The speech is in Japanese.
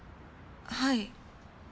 はい。